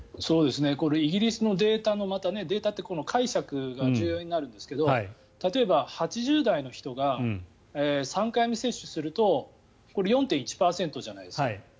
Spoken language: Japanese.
これ、イギリスのデータのまた、データも解釈が重要になるんですけど例えば８０代の人が３回目接種をするとこれ４．１％じゃないですか。